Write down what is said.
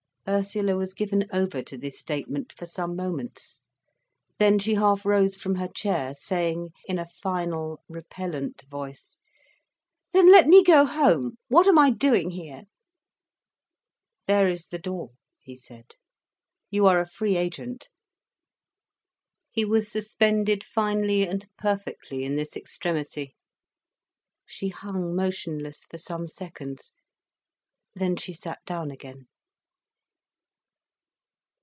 Ursula was given over to this statement for some moments. Then she half rose from her chair, saying, in a final, repellent voice: "Then let me go home—what am I doing here?" "There is the door," he said. "You are a free agent." He was suspended finely and perfectly in this extremity. She hung motionless for some seconds, then she sat down again.